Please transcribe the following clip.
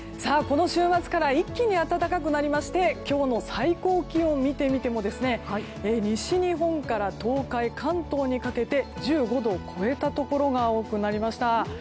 この週末から一気に暖かくなりまして今日の最高気温、見てみても西日本から東海、関東にかけて１５度を超えたところが多くなりました。